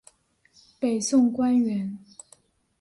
北宋官员。